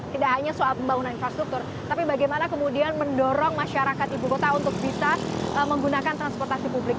tidak hanya soal pembangunan infrastruktur tapi bagaimana kemudian mendorong masyarakat ibu kota untuk bisa menggunakan transportasi publik